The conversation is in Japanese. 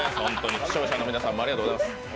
視聴者の皆さんもありがとうございます。